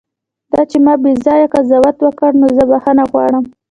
دا چې ما بیځایه قضاوت وکړ، نو زه بښنه غواړم.